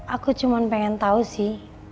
aku cuma pengen tahu sih